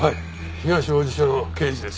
東王子署の刑事です。